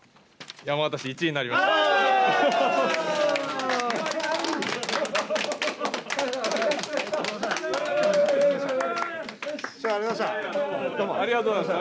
山形市、１位になりました。